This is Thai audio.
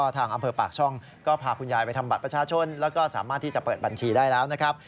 ทางอำเภอปากช่องก็พาคุณยายไปทำบัตรประชาชนแล้วก็สามารถที่จะเปิดบัญชีได้แล้วนะครับ